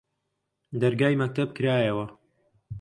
دەرگای مەکتەب کرایەوە